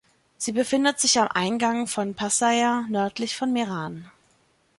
Sie befindet sich am Eingang von Passeier nördlich von Meran.